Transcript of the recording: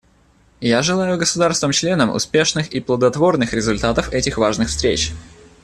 Я желаю государствам-членам успешных и плодотворных результатов этих важных встреч.